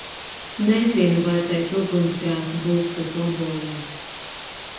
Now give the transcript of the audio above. Nezinu, vai pēc ugunsgrēka būs kas labojams